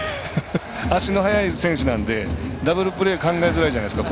足の速い選手なんでダブルプレー考えづらいじゃないですか。